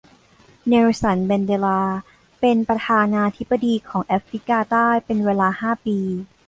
เนลสันแมนเดลาเป็นประธานาธิปดีของแอฟริกาใต้เป็นเวลาห้าปี